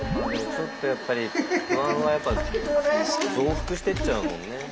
ちょっとやっぱり不安はやっぱ増幅してっちゃうもんね。